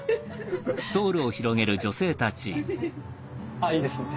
あいいですね。